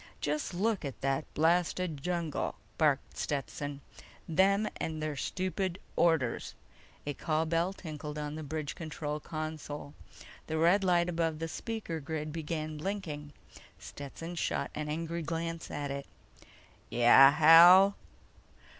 "Just look at that blasted jungle!" barked Stetson. "Them and their stupid orders!" A call bell tinkled on the bridge control console. The red light above the speaker grid began blinking. Stetson shot an angry glance at it. "Yeah, Hal?"